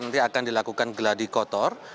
nanti akan dilakukan geladi kotor